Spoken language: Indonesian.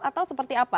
atau seperti apa